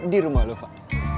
di rumah lu pak